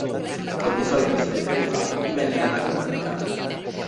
Col dissolversi del Califfato divenne una "cora"di Cabra.